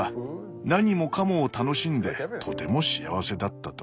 何もかもを楽しんでとても幸せだったと。